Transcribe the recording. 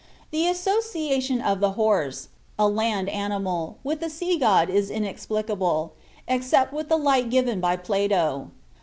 The association of the horse (a land animal) with a sea god is inexplicable, except with the light given by Plato.